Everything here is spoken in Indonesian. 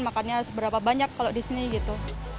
makannya seberapa banyak kalau di sini gitu